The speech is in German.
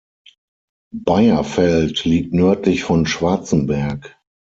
Beierfeld liegt nördlich von Schwarzenberg.